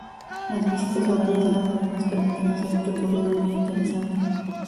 Las visitas organizadas, además, permiten hacer un recorrido muy interesante.